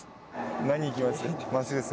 何いきます？